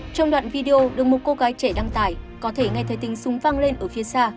trong đoạn video được một cô gái trẻ đăng tải có thể ngay thời tình súng văng lên ở phía xa